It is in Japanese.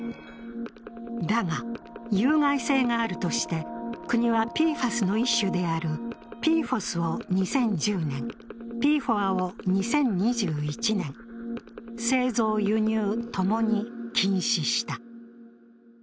だが、有害性があるとして国はＰＦＡＳの一種であるＰＦＯＳを２０１０年、ＰＦＯＡを２０２１年、製造・輸入共に禁止した。